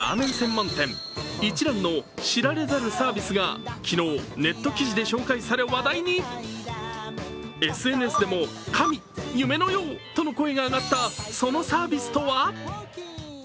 九州・福岡発祥、今や世界で人気のラーメン店、一蘭の知られざるサービスが昨日、ネット記事で紹介され話題にＳＮＳでも、神、夢のようとの声が上がった、そのサービスとは？